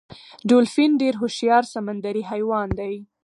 ډولفین ډیر هوښیار سمندری حیوان دی